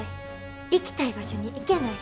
行きたい場所に行けない。